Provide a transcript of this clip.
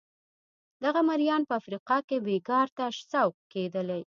دغه مریان په افریقا کې بېګار ته سوق کېدل.